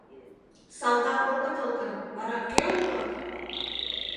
Салтак огытыл гын, вара кӧ улыт?